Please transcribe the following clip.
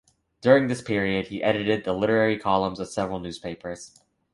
During this period, he edited the literary columns of several newspapers.